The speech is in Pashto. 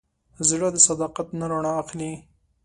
زړه د صداقت نه رڼا اخلي.